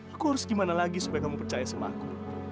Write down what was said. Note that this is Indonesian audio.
aku harus gimana lagi supaya kamu percaya sama aku